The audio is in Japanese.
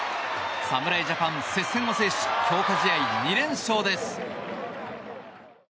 侍ジャパン、接戦を制し強化試合２連勝です。